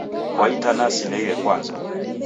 Kwa itanaa nisighe kwanza.